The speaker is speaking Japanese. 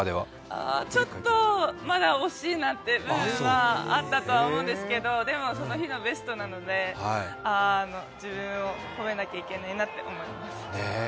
ちょっとまだ惜しいなっていう部分はあったとは思うんですけどでもその日のベストなので自分を褒めなきゃいけないなと思います。